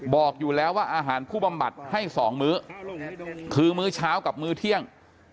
บอกอยู่แล้วว่าอาหารผู้บำบัดให้๒มื้อคือมื้อเช้ากับมื้อเที่ยง